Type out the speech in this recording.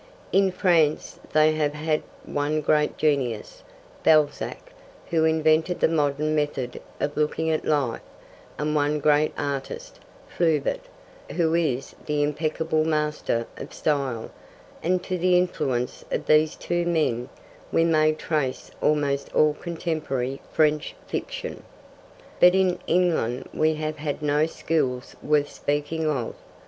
In France they have had one great genius, Balzac, who invented the modern method of looking at life; and one great artist, Flaubert, who is the impeccable master of style; and to the influence of these two men we may trace almost all contemporary French fiction. But in England we have had no schools worth speaking of.